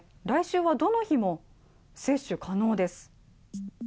来週はどの日も接種可能です。